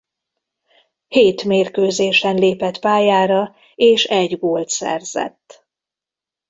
Hét mérkőzésen lépett pályára és egy gólt szerzett.